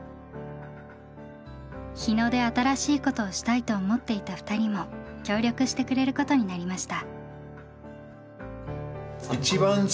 日野で新しいことをしたいと思っていた２人も協力してくれることになりました。